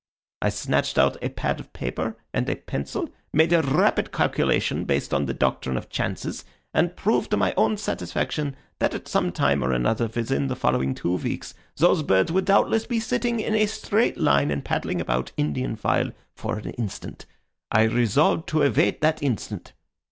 I snatched out a pad of paper and a pencil, made a rapid calculation based on the doctrine of chances, and proved to my own satisfaction that at some time or another within the following two weeks those birds would doubtless be sitting in a straight line and paddling about, Indian file, for an instant. I resolved to await that instant.